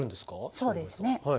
そうですね。